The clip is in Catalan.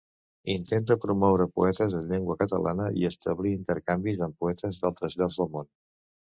Intenta promoure poetes en llengua catalana i establir intercanvis amb poetes d'altres llocs del món.